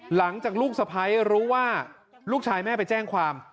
หลังจากลูกสะพ้ายรู้ว่าลูกชายแม่ไปแจ้งความ